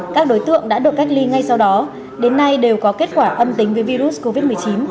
các đối tượng đã được cách ly ngay sau đó đến nay đều có kết quả âm tính với virus covid một mươi chín